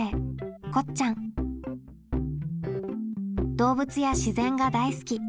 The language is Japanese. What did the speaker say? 動物や自然が大好き。